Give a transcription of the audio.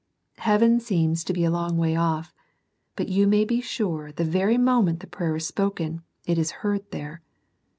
Heaven seems to be a long way off, but you may be sure the very moment the prayer is spoken it is heard there.